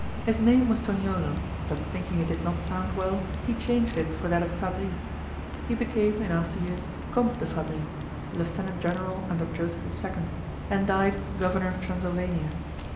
His name was Tognolo, but thinking it did not sound well, he changed it for that of Fabris. He became, in after years, Comte de Fabris, lieutenant general under Joseph II., and died Governor of Transylvania.